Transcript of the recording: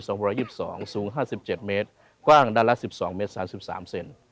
สูง๕๗เมตรกว้าง๑๒๓๓เส้น